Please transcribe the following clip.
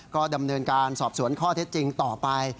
ก็ดำเนินการสอบสวนข้อเท็จจริงต่อไป